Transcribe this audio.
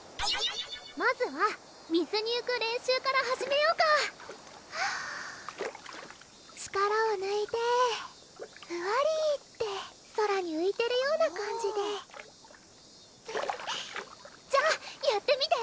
まずは水にうく練習から始めようか力をぬいてふわりって空にういてるような感じでじゃあやってみて！